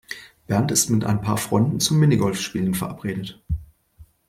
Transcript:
Bernd ist mit ein paar Freunden zum Minigolfspielen verabredet.